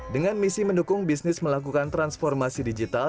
dengan misi mendukung bisnis melakukan transformasi digital